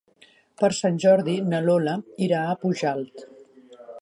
Per Sant Jordi na Lola irà a Pujalt.